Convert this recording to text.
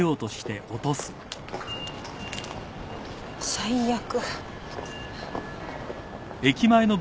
最悪。